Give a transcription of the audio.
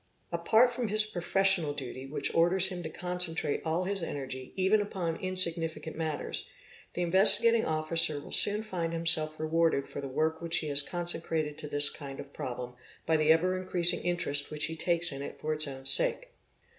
Apart from his professional duty which orders him e. ; to concentrate all his energy even upon insignificant matters, the In vestigating Officer will soon find himself rewarded for the work which he _ has consecrated to this kind of problem by the ever increasing interest _ which he takes in it for its own sake.